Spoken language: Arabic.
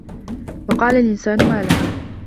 وَقالَ الإِنسانُ ما لَها